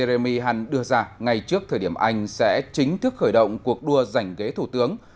eremy hunt đưa ra ngay trước thời điểm anh sẽ chính thức khởi động cuộc đua giành ghế thủ tướng